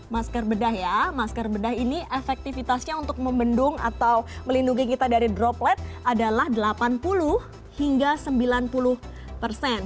masker bedah ya masker bedah ini efektivitasnya untuk membendung atau melindungi kita dari droplet adalah delapan puluh hingga sembilan puluh persen